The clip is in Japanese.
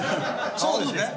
そうですね。